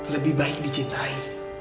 lebih baik dicintai